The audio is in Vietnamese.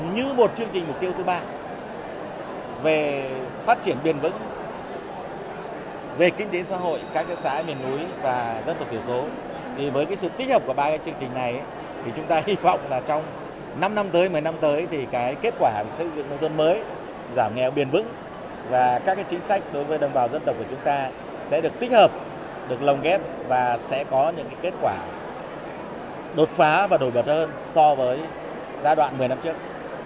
như một chương trình mục tiêu thứ ba về phát triển biền vững về kinh tế xã hội các xã miền núi và dân tộc thiểu số thì với sự tích hợp của ba chương trình này thì chúng ta hy vọng là trong năm năm tới một mươi năm tới thì kết quả xây dựng nông thôn mới giảm nghèo biền vững và các chính sách đối với đồng bào dân tộc của chúng ta sẽ được tích hợp được lồng ghép và sẽ có những kết quả đột phá và đổi bật hơn so với giai đoạn một mươi năm trước